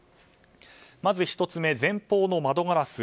まず１つ目、前方の窓ガラス。